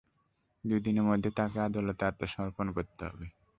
দুই দিনের মধ্যে তাকে আদালতে আত্মসমর্পণ করতে হবে।